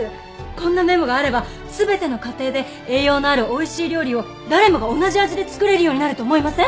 こんなメモがあれば全ての家庭で栄養のあるおいしい料理を誰もが同じ味で作れるようになると思いません？